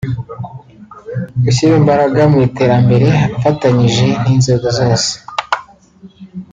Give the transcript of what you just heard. gushyira imbaraga mu iterambere afatanyije n’inzego zose